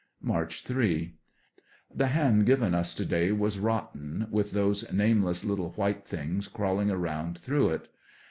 March 3. — The ham given us to day was rotten, with those name less little white things crawling around through it.